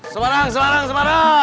semarang semarang semarang